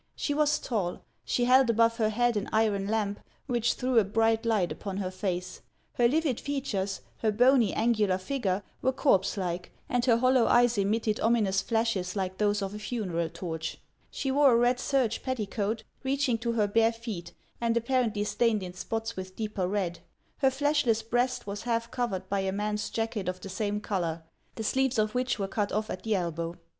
She was tall ; she held above her head an iron lamp, which threw a bright light upon her face. Her livid features, her bony, angular figure, were corpse like, and her hollow eyes emitted ominous flashes like those of a funeral torch. She wore a red serge petticoat, reaching to her bare feet, and apparently stained in spots with deeper red. Her fleshless breast was half covered by a man's jacket of the same color, the sleeves of which were cut off at the elbow.